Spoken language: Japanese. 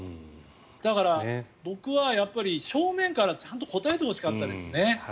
だから、僕は正面からちゃんと答えてほしかったですね。